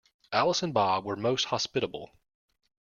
Alice and Bob were most hospitable